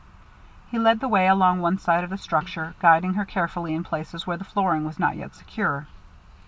He led the way along one side of the structure, guiding her carefully in places where the flooring was not yet secure.